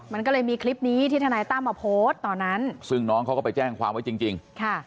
มันก็เลยมีคลิปนี้ที่ทนายตั้มมาโพสต์ตอนนั้นซึ่งน้องเขาก็ไปแจ้งความไว้จริงจริงค่ะ